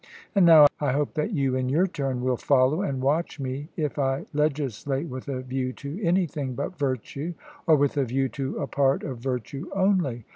And now I hope that you in your turn will follow and watch me if I legislate with a view to anything but virtue, or with a view to a part of virtue only.